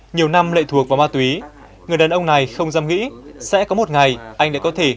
nhiều năm lệ thuộc vào ma túy người đàn ông này không dám nghĩ sẽ có một ngày anh đã có thể